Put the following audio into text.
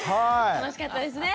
楽しかったですね。